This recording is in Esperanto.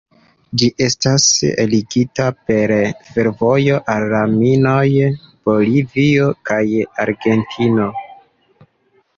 Ĝi estas ligita per fervojo al la minoj, Bolivio kaj Argentino.